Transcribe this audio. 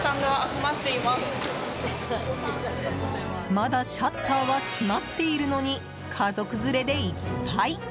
まだ、シャッターは閉まっているのに家族連れでいっぱい！